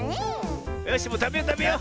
よしもうたべようたべよう。